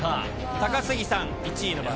高杉さん、１位の場合。